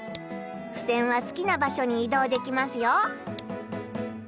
ふせんはすきな場所にいどうできますよ。